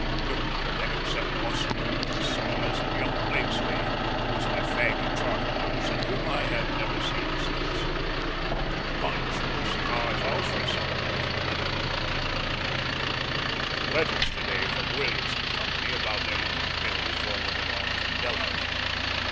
Knew none of them except Mostyn of the Hussars and young Blakesley, who was my fag at Charterhouse, and whom I have never seen since. Punch and cigars al fresco up to eleven o'clock. Letters to day from Wills & Co. about their little bill forwarded on from Delhi.